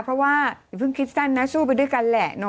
เพราะว่าอย่าเพิ่งคิดสั้นนะสู้ไปด้วยกันแหละ